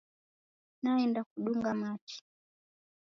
Naenda kudunga machi.